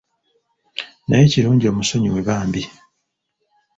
Naye kirungi omusonyiwe bambi.